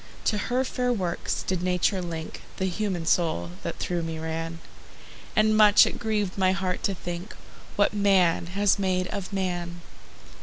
To her fair works did Nature link The human soul that through me ran; And much it grieved my heart to think What man has made of man.